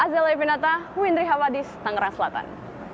saya havadis tangerang selatan